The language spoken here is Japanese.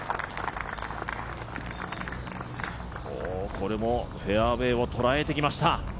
これもフェアウェーを捉えてきました。